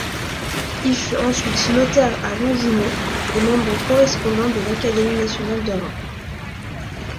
Il fut ensuite notaire à Longjumeau, et membre correspondant de l'Académie nationale de Reims.